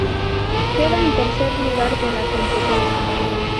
Queda en tercer lugar de la competencia.